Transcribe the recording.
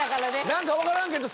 何か分からんけど。